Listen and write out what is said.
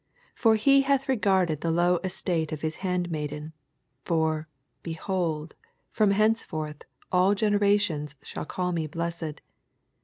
48 lor he hath regarded the low estate of hia handmaiden : for, behold, from henceforth all generations shall call me blesaed.